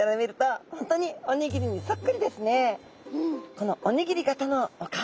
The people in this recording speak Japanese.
このおにぎり型のお顔